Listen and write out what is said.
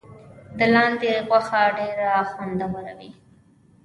د لاندي غوښه ډیره خوندوره وي.